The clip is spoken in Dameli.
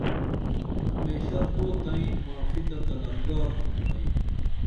ہمیشہ تو تئیں معافی تہ طلب گار تُھم ائی